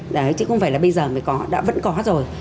đấy chứ không phải là bây giờ mới có đã vẫn có rồi